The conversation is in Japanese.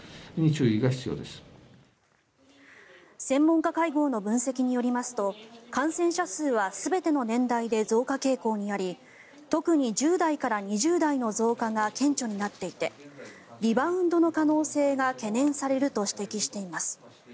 専門家会合の分析によりますと感染者数は全ての年代で増加傾向にあり特に１０代から２０代の増加が顕著になっていてリバウンドの可能性が懸念されると指摘しています。